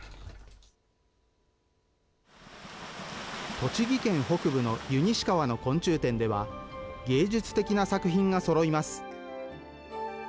栃木県北部の湯西川の昆虫展では、芸術的な作品がそろいます。